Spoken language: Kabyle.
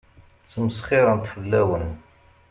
Ttmesxiṛent fell-awen.